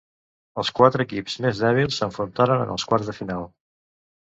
Els quatre equips més dèbils s'enfrontaren en els quarts de final.